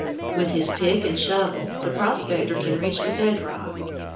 With his pick and shovel the prospector can reach the bed rock.